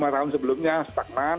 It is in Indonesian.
lima tahun sebelumnya stagnan